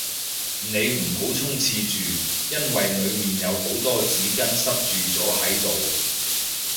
你唔好衝廁住，因為裏面有好多紙巾塞住咗喺度